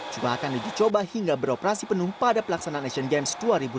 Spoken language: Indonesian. juga akan dijucoba hingga beroperasi penuh pada pelaksanaan asian games dua ribu delapan belas